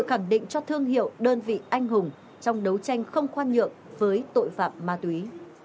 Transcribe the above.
khẳng định cho thương hiệu đơn vị anh hùng trong đấu tranh không khoan nhượng với tội phạm ma túy